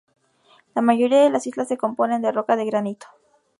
La mayoría de las islas se componen de roca de granito.